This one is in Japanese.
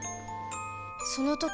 その時